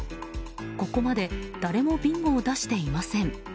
ここまで誰もビンゴを出していません。